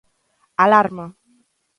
¡Alarma!